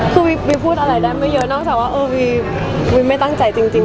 คือวีพูดอะไรได้ไม่เยอะนอกจากว่าเออวีไม่ตั้งใจจริง